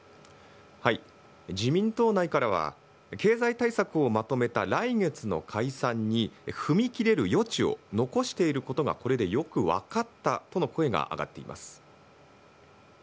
自民党内からは、経済対策をまとめた来月の解散に踏み切れる余地を残していることがこれでよく分かったとの声が上がっています。